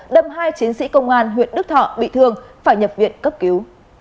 đâm hai chiến sĩ công an huyện đức thọ bị thương phải nhập viện cấp cứu